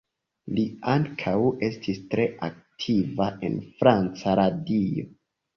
Li ankaŭ estis tre aktiva en franca radio.